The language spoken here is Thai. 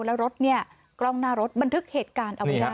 แล้วรถเนี่ยกล้องหน้ารถบันทึกเหตุการณ์เอาไว้ได้